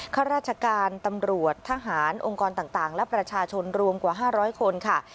ข้าราชการตำรวจทหารองค์กรต่างและประชาชนรวมกว่า๕๐๐คนค่ะ